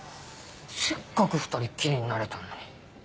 せっかく２人っきりになれたのに。